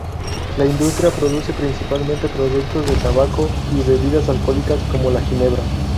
La industria produce principalmente productos de tabaco y bebidas alcohólicas como la ginebra.